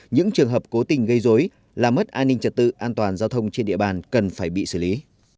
những trường hợp cố tình gây dối làm mất an ninh trật tự an toàn giao thông trên địa bàn cần phải bị xử lý